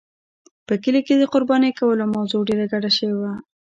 په کلي کې د قربانۍ کولو موضوع ډېره ګډه شوې وه.